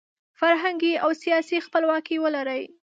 فرهنګي او سیاسي خپلواکي ولري.